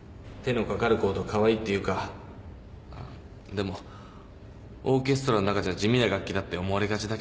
でもオーケストラの中じゃ地味な楽器だって思われがちだけどね。